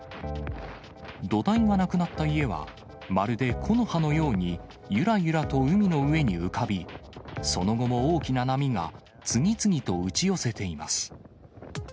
土台がなくなった家は、まるで木の葉のようにゆらゆらと海の上に浮かび、その後も大きな波が次々と打ち寄せています。